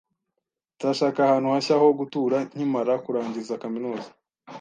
Nzashaka ahantu hashya ho gutura nkimara kurangiza kaminuza